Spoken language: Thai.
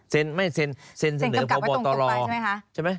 เซ็นเสนอพบตลอบ